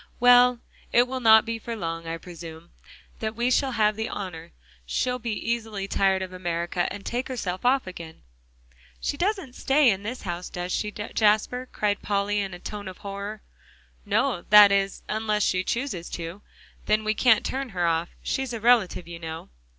"Well, it will not be for long, I presume, that we shall have the honor; she'll be easily tired of America, and take herself off again." "She doesn't stay in this house, does she, Jasper?" cried Polly in a tone of horror. "No; that is, unless she chooses to, then we can't turn her off. She's a relative, you know."